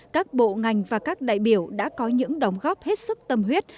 các bộ ngành và các đại biểu đã có những đóng góp hết sức tâm huyết